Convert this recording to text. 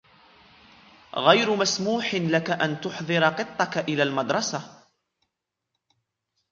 غير مسموح لك أن تحضر قطك إلى المدرسة.